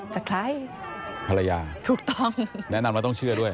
จากใครพละยาแนะนำแล้วต้องเชื่อด้วย